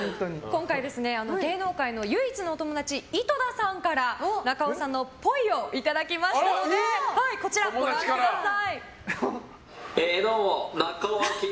今回、芸能界の唯一のお友達井戸田さんから、中尾さんのっぽいをいただきましたのでこちら、ご覧ください。